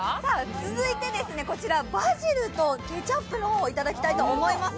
続いてこちら、バジルとケチャップの方をいただきたいと思います。